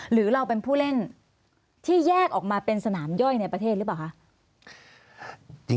หรือเราเป็นผู้เล่นที่แยกออกมาเป็นสนามย่อยในประเทศหรือเปล่าคะ